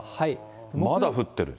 まだ降ってる。